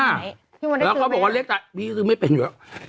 อ่าแล้วเขาบอกว่าเลขท้ายมีตรง๑๙๘๓ไม่เบ็ดอยู่